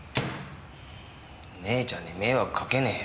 姉ちゃんに迷惑かけねえよ。